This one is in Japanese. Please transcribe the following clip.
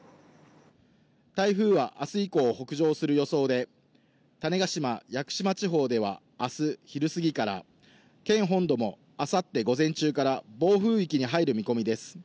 台風はあす以降、北上する予想で、種子島・屋久島地方ではあす昼すぎから県本土も、あさって午前中から暴風域に入る見込みです。